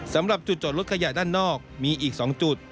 สำหรับจุดจอดรถขยะด้านนอกมีอีก๒จุด